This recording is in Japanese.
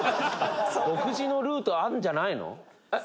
「独自のルートあるんじゃないの？」